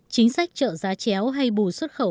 chính sách trợ giá chéo hay bù xuất khẩu